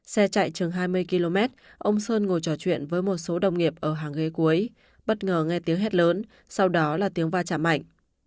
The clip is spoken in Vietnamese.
xe chạy chừng hai mươi km ông sơn ngồi trò chuyện với một số đồng nghiệp ở hàng ghế cuối bất ngờ nghe tiếng hát lớn sau đó là tiếng va chạm mạnh